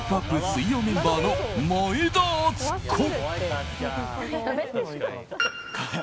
水曜メンバーの前田敦子。